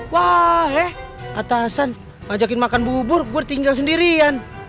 wah eh atasan ajakin makan bubur gue tinggal sendirian